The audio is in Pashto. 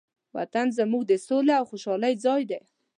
وطن زموږ د سولې او خوشحالۍ ځای دی.